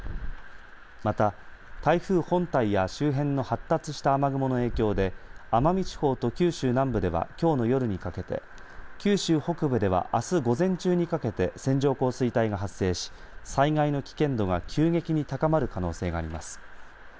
また台風本体や周辺の発達した雨雲の影響で奄美地方と九州南部ではきょうの夜にかけて九州北部ではあす午前中にかけて線状降水帯が発生し災害の危険度が急激に高まる可能性があります。